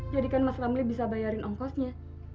jadi kan mas ramli bisa bayarin ongkosnya